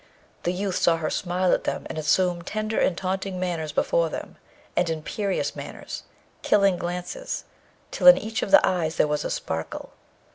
The youth saw her smile at them, and assume tender and taunting manners before them, and imperious manners, killing glances, till in each of the eyes there was a sparkle.